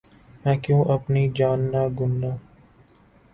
مَیں کیوں اپنی جاننا گننا